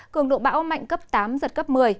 cường độ bão mạnh cấp tám giật cấp một mươi